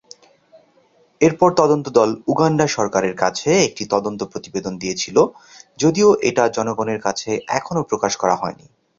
এরপর তদন্ত দল উগান্ডা সরকারের কাছে একটি তদন্ত প্রতিবেদন দিয়েছিল যদিও এটা জনগণের কাছে এখনো প্রকাশ করা হয়নি।